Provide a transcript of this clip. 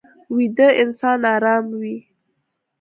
ویده انسان ارام وي